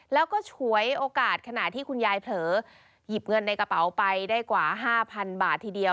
แล้วก็ฉวยโอกาสขณะที่คุณยายเผลอหยิบเงินในกระเป๋าไปได้กว่า๕๐๐๐บาททีเดียว